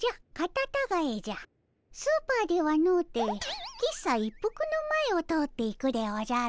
スーパーではのうて喫茶一服の前を通って行くでおじゃる。